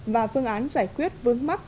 và phương án giải quyết vướng mắt